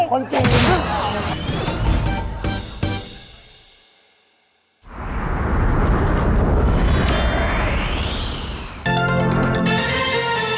คนจริง